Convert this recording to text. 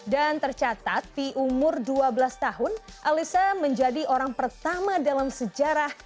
dan tercatat di umur dua belas tahun alyssa menjadi orang pertama dalam sejarah